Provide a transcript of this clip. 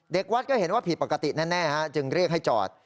เด็กวัดก็เห็นว่าผิดปกติแน่จึงเรียกให้จอด